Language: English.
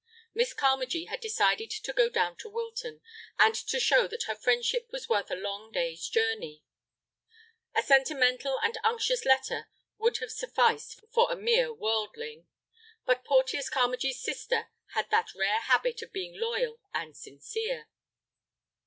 Miss Carmagee had decided to go down to Wilton, and to show that her friendship was worth a long day's journey. A sentimental and unctuous letter would have sufficed for a mere worldling. But Porteus Carmagee's sister had that rare habit of being loyal and sincere.